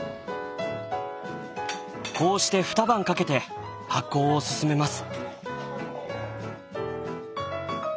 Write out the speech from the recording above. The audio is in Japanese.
こうして二晩かけて発酵を進めます。